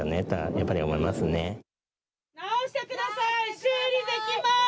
修理できます。